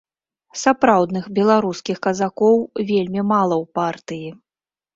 Сапраўдных беларускіх казакоў вельмі мала ў партыі.